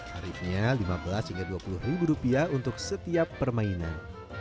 tarifnya lima belas hingga dua puluh ribu rupiah untuk setiap permainan